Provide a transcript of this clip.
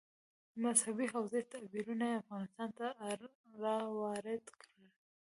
مذهبي حوزې تعبیرونه یې افغانستان ته راوارد کړي.